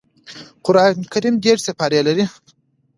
قران کريم دېرش سپاري لري